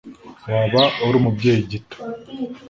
waba urumubyeyi gito